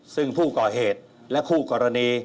ซึ่งผู้ก่อเหตุและคู่กรณี